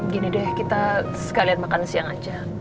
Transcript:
gini deh kita sekalian makan siang aja